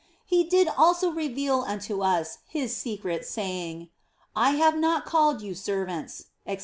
He did also reveal unto us His secrets, saying, " I have not called you servants," &c.